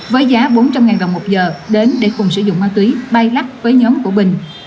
với giá bốn trăm linh đồng một giờ đến để cùng sử dụng ma túy bay lắc với nhóm của bình